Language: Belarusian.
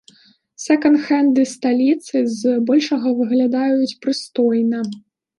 Сэканд-хэнды сталіцы з большага выглядаюць прыстойна.